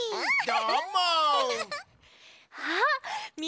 どーも！